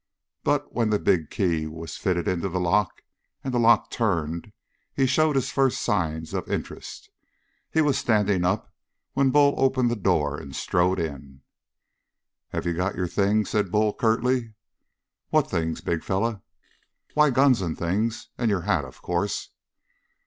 But, when the big key was fitted into the lock and the lock turned, he showed his first signs of interest. He was standing up when Bull opened the door and strode in. "Have you got your things?" said Bull curtly. "What things, big fellow?" "Why, guns and things and your hat, of course."